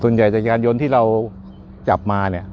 ส่วนใหญ่จากยานย้นที่เราจับมาเนี่ย